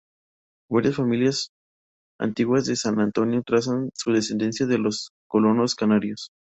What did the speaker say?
Varias familias más antiguas de San Antonio trazan su descendencia de los colonos canarios.